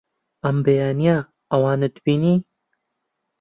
ئەم بەیانییە ئەوانت بینی؟